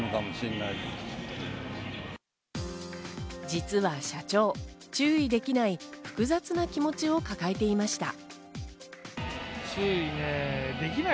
実は社長、注意できない複雑な気持ちを抱えていました。